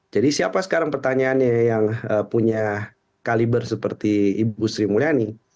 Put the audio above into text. jadi siapa sekarang pertanyaannya yang punya kaliber seperti ibu sri mulyani